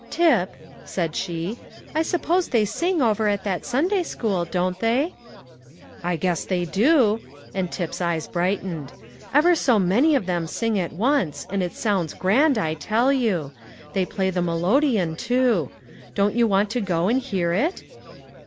"Tip," said she, "I suppose they sing over at that Sunday school, don't they?" "I guess they do;" and Tip's eyes brightened. "Ever so many of them sing at once, and it sounds grand, I tell you. They play the melodeon, too: don't you want to go and hear it?"